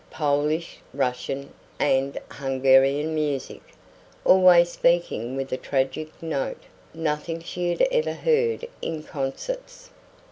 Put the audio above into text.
Polish, Russian, and Hungarian music, always speaking with a tragic note; nothing she had ever heard in concerts.